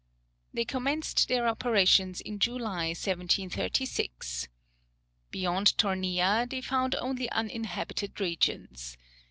They commenced their operations in July, 1736. Beyond Tornea they found only uninhabited regions.